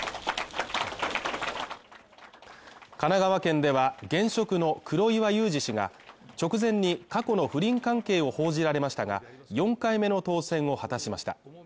神奈川県では、現職の黒岩祐治氏が、直前に過去の不倫関係を報じられましたが、４回目の当選を果たしました。